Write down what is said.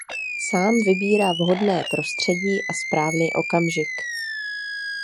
Sám vybírá vhodné prostředí a správný okamžik.